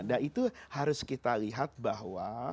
nah itu harus kita lihat bahwa